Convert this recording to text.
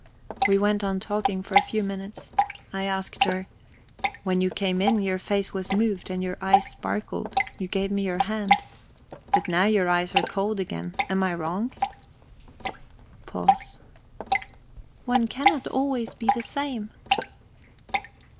We went on talking for a few minutes. I asked her: "When you came in, your face was moved, and your eyes sparkled; you gave me your hand. But now your eyes are cold again. Am I wrong?" Pause. "One cannot always be the same..."